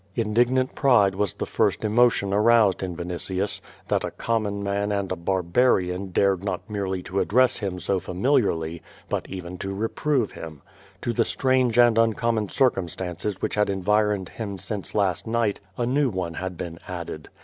Indignant pride was the first emotion aroused in Vinitius, that a common man and a barbarian dared not merely to ad dress him so familiarly, but even to reprove him. To the strange and uncommon circumstances which had environed him since last night a new one had been added.